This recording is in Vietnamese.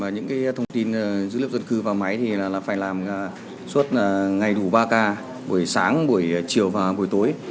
những thông tin dữ liệu dân cư vào máy thì phải làm suốt ngày đủ ba k buổi sáng buổi chiều và buổi tối